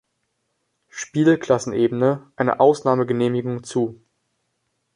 Spielklassenebene", eine Ausnahmegenehmigung zu.